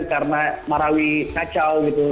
karena marawi kacau gitu